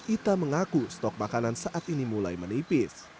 ita mengaku stok makanan saat ini mulai menipis